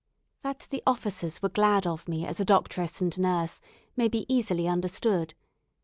That the officers were glad of me as a doctress and nurse may be easily understood.